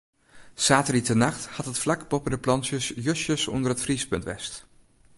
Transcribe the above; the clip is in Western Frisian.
Saterdeitenacht hat it flak boppe de planten justjes ûnder it friespunt west.